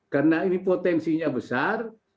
karena ini potensinya besar